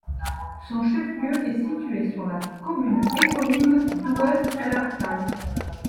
Son chef-lieu est situé sur la commune éponyme d'Oued El Abtal.